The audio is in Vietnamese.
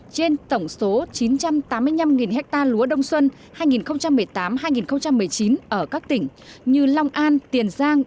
trên tổng số chín trăm tám mươi năm ha lúa đông xuân hai nghìn một mươi tám hai nghìn một mươi chín ở các tỉnh như long an tiền giang